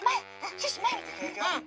シュッシュまえみて。